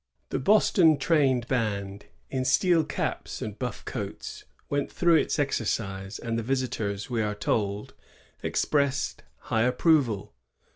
The Boston trained band, in steel caps and buff coats, went through its exercise; and the visitors, we are told, expressed high approval.